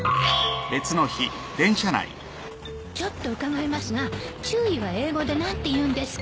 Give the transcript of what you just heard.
ちょっと伺いますが注意は英語で何て言うんですか？